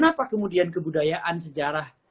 nah kenapa kemudian kebudayaan sejarah ketinggalan